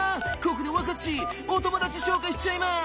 ここでワカっちお友達紹介しちゃいます！